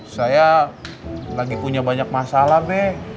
saya lagi punya banyak masalah deh